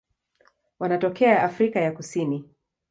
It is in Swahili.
Wanatokea Afrika ya Kusini.